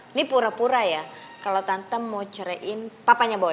ini pura pura ya kalau tante mau cerein papanya boy